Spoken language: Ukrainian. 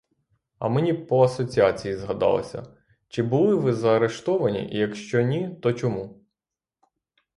А мені по асоціації згадалося: чи були ви заарештовані і якщо ні, то чому?